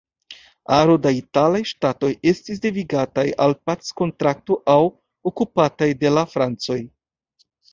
Aro da italaj ŝtatoj estis devigataj al packontrakto aŭ okupataj de la francoj.